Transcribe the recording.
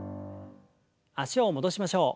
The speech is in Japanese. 脚を戻しましょう。